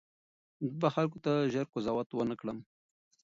زه به خلکو ته ژر قضاوت ونه کړم.